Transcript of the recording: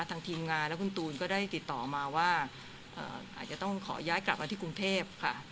ทีมงานและคุณตูนก็ได้ติดต่อมาว่าอาจจะต้องขอย้ายกลับมาที่กรุงเทพค่ะ